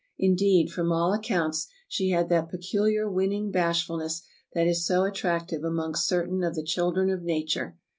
Indeed, from all accounts, she had that peculiar winning bashfulness that is so attractive among certain of the children of nature.